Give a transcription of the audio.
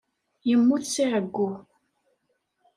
Yemmut seg uɛeyyu.